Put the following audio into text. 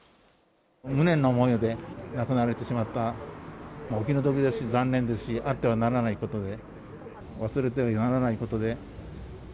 無念の思いで亡くなられてしまった、お気の毒ですし、残念ですし、あってはならないことで。